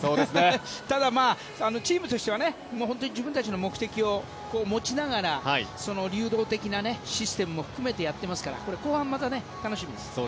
ただ、チームとしては本当に自分たちの目的を持ちながら流動的なシステムも含めてやっていますから後半また楽しみです。